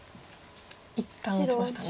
一旦打ちましたね。